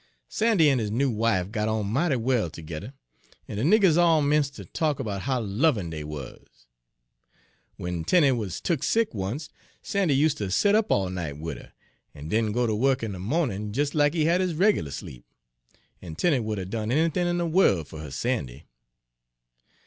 "Sandy en his noo wife got on mighty well tergedder, en de niggers all 'mence' ter talk about how lovin' dey wuz. W'en Tenie wuz tuk sick oncet, Sandy useter set up all night wid 'er, en den go ter wuk in de mawnin' des lack he had his reg'lar sleep; en Tenie would 'a' done anythin' in de worl' for her Sandy.